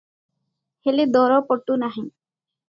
ହେଲେ ଦର ପଟୁ ନାହିଁ ।